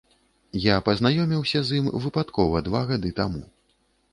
Я пазнаёміўся з ім выпадкова два гады таму.